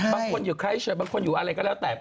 บางคนอยู่ไครเชิงบางคนอยู่อะไรก็แล้ว